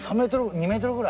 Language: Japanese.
２ｍぐらい？